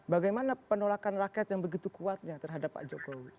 bagaimana penolakan rakyat yang begitu kuatnya terhadap pak jokowi